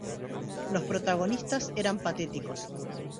Los protagonistas eran patéticos.